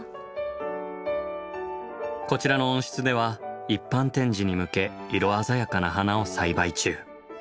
こちらの温室では一般展示に向け色鮮やかな花を栽培中。